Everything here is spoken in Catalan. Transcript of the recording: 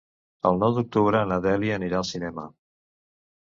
El nou d'octubre na Dèlia anirà al cinema.